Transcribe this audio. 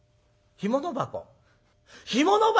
干物箱。